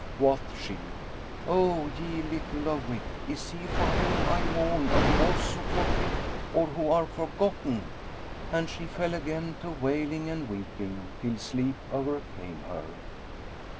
Quoth she, "O ye little of wit, is he for whom I mourn of those who forget or who are forgotten?" And she fell again to wailing and weeping, till sleep overcame her.